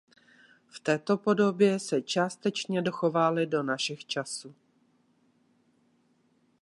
V této podobě se částečně dochovaly do našich časů.